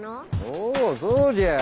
おそうじゃ！